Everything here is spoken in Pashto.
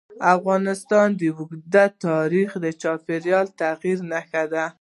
افغانستان کې اوږده غرونه د چاپېریال د تغیر نښه ده.